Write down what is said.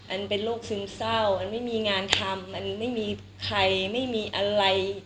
อันเป็นโรคซึมเศร้าอันไม่มีงานทำอันไม่มีใครไม่มีอะไร